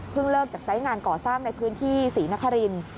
เลิกจากไซส์งานก่อสร้างในพื้นที่ศรีนครินทร์